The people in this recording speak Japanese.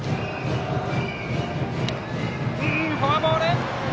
フォアボール。